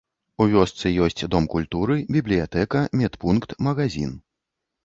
У вёсцы ёсць дом культуры, бібліятэка, медпункт, магазін.